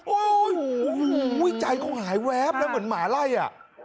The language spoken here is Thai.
โอ้โหใจเขาหายแวบนะเหมือนหมาไล่อ่ะ